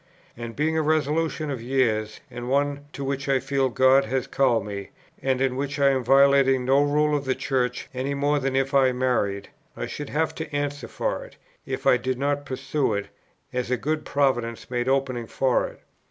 And being a resolution of years, and one to which I feel God has called me, and in which I am violating no rule of the Church any more than if I married, I should have to answer for it, if I did not pursue it, as a good Providence made openings for it.